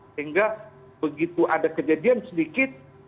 sehingga begitu ada kejadian sedikit